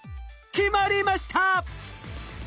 決まりました！